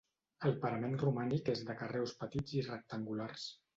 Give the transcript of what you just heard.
El parament romànic és de carreus petits i rectangulars.